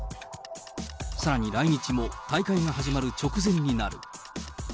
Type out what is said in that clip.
さらに来日も大会が始まる直前になる。